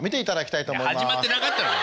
いや始まってなかったのか。